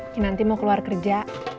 kinanti mau keluar kerja